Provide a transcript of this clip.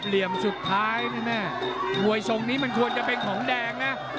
เหลี่ยมสุดท้ายแน่มวยทรงนี้มันควรจะเป็นของแดงนะ